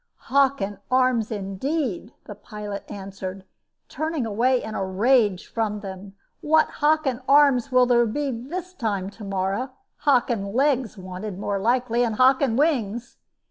"'Hockin Arms,' indeed!" the pilot answered, turning away in a rage from them. "What Hockin Arms will there be this time to morrow? Hockin legs wanted, more likely, and Hockin wings.